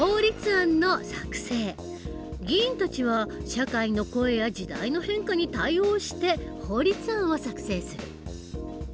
議員たちは社会の声や時代の変化に対応して法律案を作成する。